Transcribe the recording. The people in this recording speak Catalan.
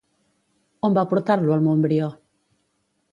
On va portar-lo el Montbrió?